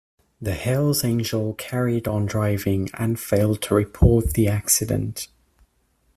The Hell's Angel carried on driving and failed to report the accident.